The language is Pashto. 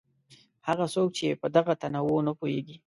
هغه څوک چې په دغه تنوع نه پوهېږي.